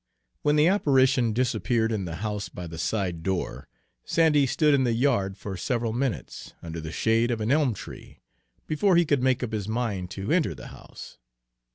When the apparition disappeared in the house by the side door, Sandy stood in the yard for several minutes, under the shade of an elm tree, before he could make up his mind to enter the house.